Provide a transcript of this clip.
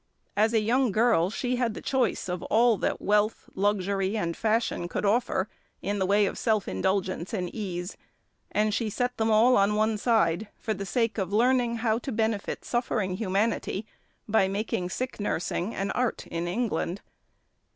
As a young girl she had the choice of all that wealth, luxury, and fashion could offer in the way of self indulgence and ease, and she set them all on one side for the sake of learning how to benefit suffering humanity by making sick nursing an art in England.